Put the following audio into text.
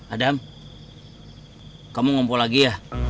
adam kamu ngumpul lagi ya